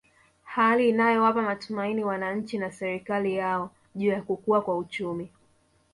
Hali inayowapa matumaini wananchi na serikali yao juu ya kukua kwa uchumi